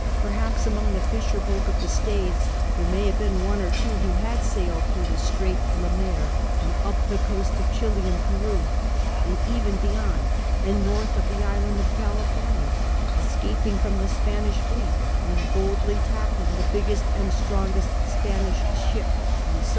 Perhaps among the fisher folk of the Staitlies tliere may have been one or two who had sailed through the Strait Ic Maire and up the coast of Chili and Peru and even beyond and north of the Island of California, escaping from the Spanish fleet and boldly tackling the biggest and strongest Spanish ship, and so 12 CAPTAIN COON CHAP.